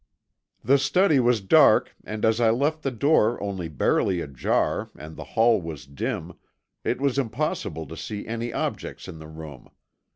"The study was dark and as I left the door only barely ajar and the hall was dim, it was impossible to see any objects in the room.